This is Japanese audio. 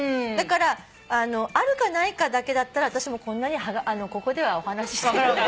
だからあるかないかだけだったら私もこんなにここではお話ししてない。